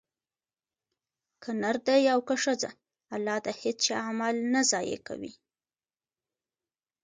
که نر دی او که ښځه؛ الله د هيچا عمل نه ضائع کوي